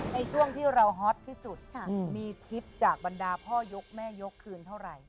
ในช่วงที่เราฮอตที่สุดมีทริปจากบรรดาพ่อยกแม่ยกคืนเท่าไหร่